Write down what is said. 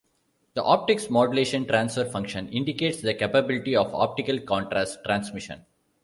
In optics, modulation transfer function indicates the capability of optical contrast transmission.